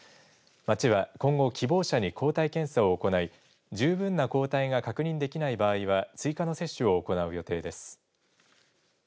町は、今後希望者に抗体検査を行い十分な抗体が確認できない場合は追加の接種を行う予定です。